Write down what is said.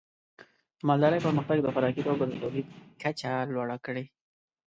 د مالدارۍ پرمختګ د خوراکي توکو د تولید کچه لوړه کړې.